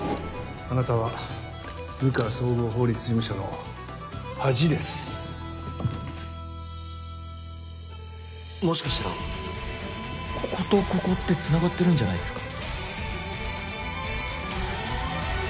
あなたは流川綜合法律もしかしたらこことここって繋がってるんじゃないですか？